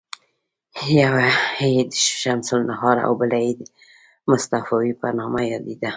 یوه یې د شمس النهار او بله یې د مصطفاوي په نامه یادیده.